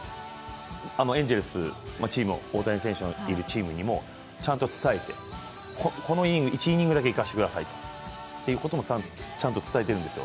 エンゼルス、大谷選手のいるチームにもちゃんと伝えて、このイニング、１イニングだけいかせてくださいとちゃんと伝えてるんですよ。